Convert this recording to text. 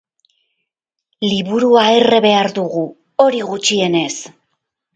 Liburua erre behar dugu, hori gutxienez...!